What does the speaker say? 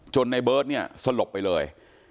ในเบิร์ตเนี่ยสลบไปเลย